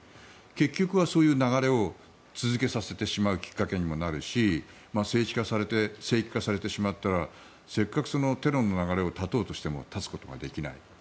結局はそういう流れを続けさせてしまうきっかけにもなるし聖域化されてしまったらせっかくテロの流れを断とうとしても断つことができない。